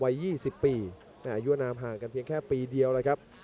วัย๒๐ปีแต่อายุอนามห่างกันเพียงแค่ปีเดียวเลยครับ